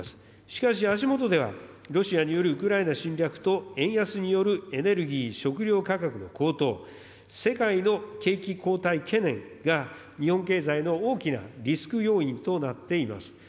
しかし、足下ではロシアによるウクライナ侵略と円安によるエネルギー、食料価格の高騰、世界の景気後退懸念が日本経済の大きなリスク要因となっています。